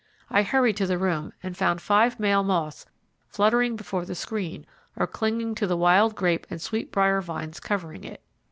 I hurried to the room and found five male moths fluttering before the screen or clinging to the wild grape and sweet brier vines covering it.